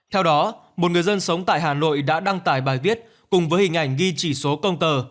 theo đó một người dân sống tại hà nội đã đăng tải bài viết cùng với hình ảnh ghi chỉ số công tờ